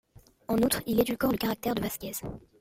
En outre, il édulcore le caractère de Vasquez.